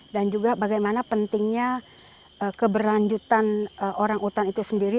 dan juga bagaimana pentingnya keberlanjutan orang utan itu sendiri